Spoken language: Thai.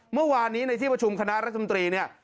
เมื่อวานนี้ในที่ประชุมคณะรัฐมนตรีเนี่ย